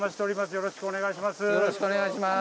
よろしくお願いします。